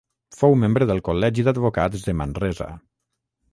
Fou membre del col·legi d'advocats de Manresa.